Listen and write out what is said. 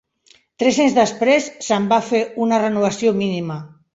Tres anys després, se'n va fer una renovació mínima.